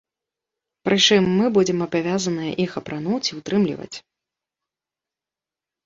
Прычым мы будзем абавязаныя іх апрануць і ўтрымліваць.